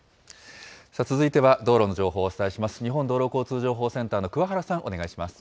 続いては道路の情報をお伝えします。